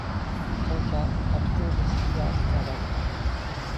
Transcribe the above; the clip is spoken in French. Franka a toujours vécu à Amsterdam.